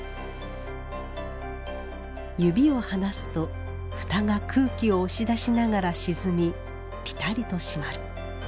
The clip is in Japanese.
指を離すと蓋が空気を押し出しながら沈みぴたりと閉まる。